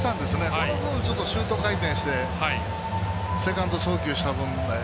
その分、シュート回転してセカンドへ送球した分が。